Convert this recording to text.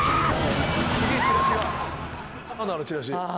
あのチラシ。